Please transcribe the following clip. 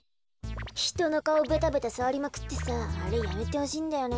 ひとのかおベタベタさわりまくってさあれやめてほしいんだよね。